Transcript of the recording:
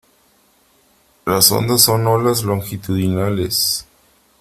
las ondas son olas longitudinales .